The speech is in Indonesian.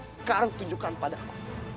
sekarang tunjukkan padaku